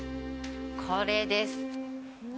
これです。